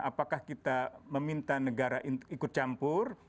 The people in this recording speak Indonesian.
apakah kita meminta negara ikut campur